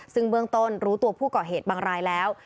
ซึ่งเบื้องต้นรู้ตัวผู้ก่อเหตุบางรายแล้ว